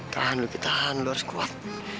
tahan lebih tahan lu harus kuat